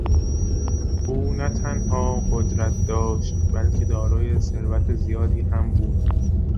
او نه تنها قدرت داشت بلکه دارای ثروت زیادی هم بود.